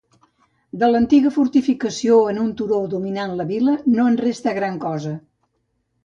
De l'antiga fortificació en un turó dominant la vila, no en resta gran cosa.